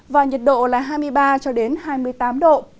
và nhiệt độ là hai mươi ba hai mươi năm độ